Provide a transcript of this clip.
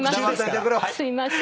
すいません。